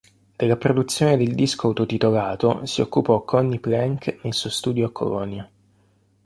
Della produzione del disco auto-titolato si occupò Conny Plank nel suo studio a Colonia.